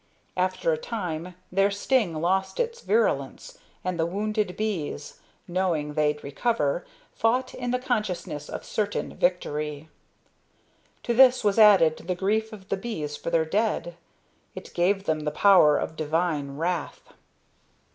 After a time their sting lost its virulence, and the wounded bees, knowing they'd recover, fought in the consciousness of certain victory. To this was added the grief of the bees for their dead; it gave them the power of divine wrath.